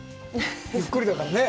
ゆっくりだからね。